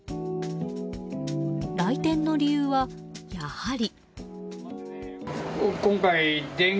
来店の理由は、やはり。